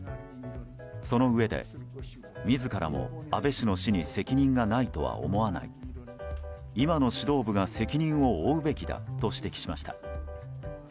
そのうえで自らも安倍氏の死に責任がないとは思わない今の指導部が責任を負うべきだと指摘しました。